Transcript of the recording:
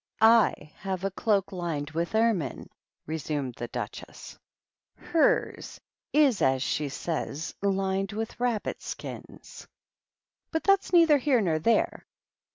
"/ have a cloak lined with ermine," resumed the Duchess ;" hers is, as she says, lined with rabbit skins ; but that's neither here nor there.